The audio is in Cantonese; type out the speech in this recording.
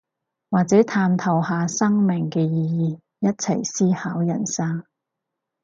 或者探討下生命嘅意義，一齊思考人生